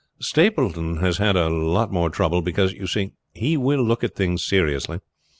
"Stapleton has had a lot more trouble; because, you see, he will look at things seriously.